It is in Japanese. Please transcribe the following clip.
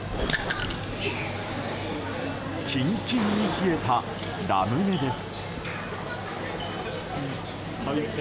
キンキンに冷えたラムネです。